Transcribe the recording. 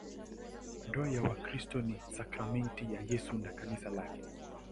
Ndoa ya Wakristo ni sakramenti ya Yesu na Kanisa lake.